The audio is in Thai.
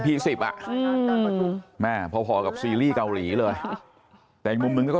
สิบอ่ะอืมแม่พอพอกับซีรีส์เกาหลีเลยแต่อีกมุมหนึ่งก็